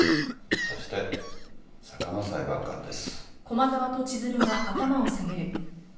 そして坂間裁判官です。